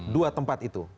dua tempat itu